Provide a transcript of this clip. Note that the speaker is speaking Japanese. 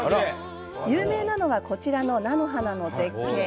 有名なのはこちらの菜の花の絶景。